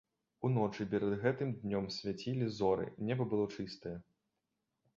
Уночы, перад гэтым днём, свяцілі зоры, неба было чыстае.